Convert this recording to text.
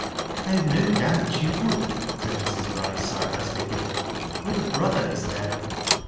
" I have no doubt she would," said Mrs. Bryce, sarcastically. '*Your brother is there."